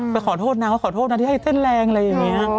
ขอโทษนางว่าขอโทษนะที่ให้เต้นแรงอะไรอย่างนี้